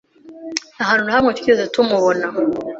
Nta hantu na hamwe twigeze tumubona.